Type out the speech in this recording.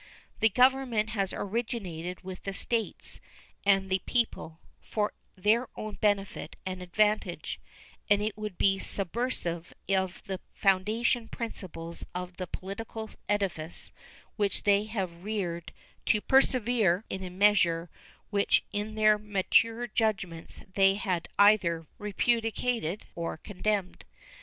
The Government has originated with the States and the people, for their own benefit and advantage, and it would be subversive of the foundation principles of the political edifice which they have reared to persevere in a measure which in their mature judgments they had either repudiated or condemned.